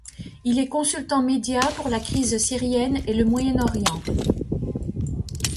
Il est consultant médias pour la crise syrienne et le moyen-orient.